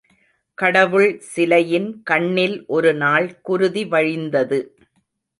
கடவுள் சிலையின் கண்ணில் ஒரு நாள் குருதி வழிந்தது.